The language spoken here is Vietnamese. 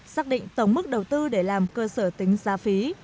xác định tổng mức đầu tư để làm cơ sở tính giá phí